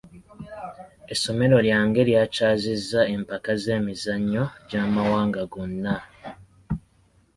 Essomero lyange lyakyazizza empaka z'emizannyo gy'amawanga gonna.